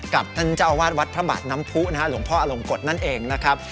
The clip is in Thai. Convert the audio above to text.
ท่านเจ้าอาวาสวัดพระบาทน้ำผู้นะฮะหลวงพ่ออลงกฎนั่นเองนะครับ